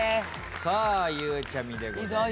さあゆうちゃみでございます。